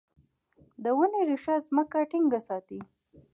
د ونې ریښه ځمکه ټینګه ساتي.